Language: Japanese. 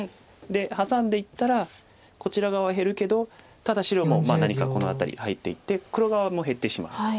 ハサんでいったらこちら側は減るけどただ白も何かこの辺り入っていって黒側も減ってしまいます。